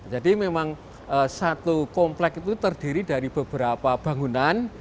jadi memang satu komplek itu terdiri dari beberapa bangunan